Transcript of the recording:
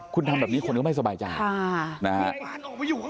คุณทำแบบนี้คนก็ไม่สบายใจนะฮะ